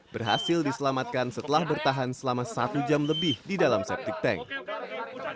berhasil diselamatkan setelah bertahan selama satu jam lebih di dalam septic tank